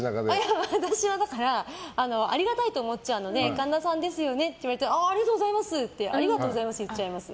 私は、ありがたいと思っちゃうので神田さんですよねって言われたらありがとうございますって言っちゃいます。